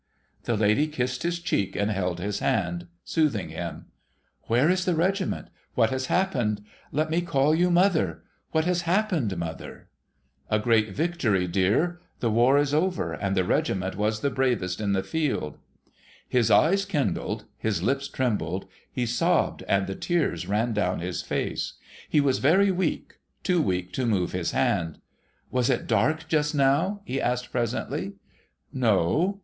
The lady kissed his cheek, and held his hand, soothing him. ' ^^'here is the regiment ? What has happened ? Let me call you mother. What has happened, mother ?'' A great victory, dear. The war is over, and the regiment was the bravest in the field.' His eyes kindled, his lips trembled, he sobbed, and the tears ran down his face. He was very weak, too weak to move his hand. ' Was it dark just now ?' he asked presently. 'No.'